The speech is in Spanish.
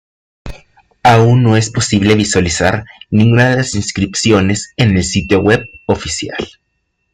Aún no es posible visualizar ninguna de las inscripciones en el sitio web oficial.